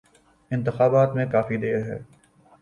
انتخابات میں کافی دیر ہے۔